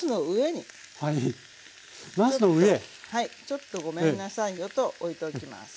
ちょっとごめんなさいよと置いておきます。